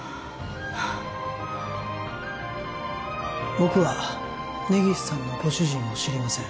僕は根岸さんのご主人を知りません